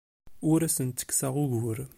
Ur asen-ttekkseɣ ugur.